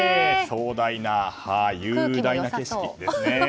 壮大で雄大な景色ですよね。